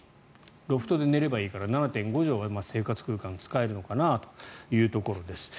ロフトで寝ればいいから７．５畳が生活空間使えるのかなというところです。